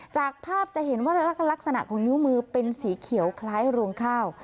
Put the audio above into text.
จากภาพจะเห็นว่าลักษณะของนิ้วมือเป็นสีเขียวคล้ายรวงข้าว